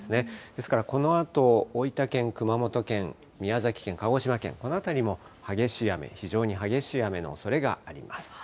ですからこのあと、大分県、熊本県、宮崎県、鹿児島県、この辺りも激しい雨、非常に激しい雨のおそれがあります。